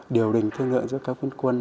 điều đình thương lượng giữa các quân quân